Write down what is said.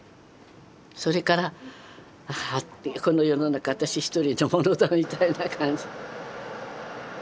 それからはあこの世の中私一人のものだみたいな感じ。